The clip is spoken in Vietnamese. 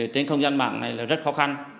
trên không gian mạng này là các cái trang mạng xã hội